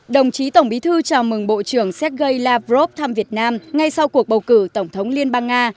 đồng chí tổng bí thư chào mừng bộ trưởng sergei lavrov thăm việt nam ngay sau cuộc bầu cử tổng thống liên bang nga